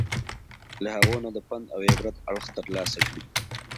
له هغو نه د پند او عبرت اړخ ترلاسه کړي.